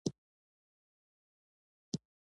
تاسو مجبور یاست دا هر یو تجربه کړئ.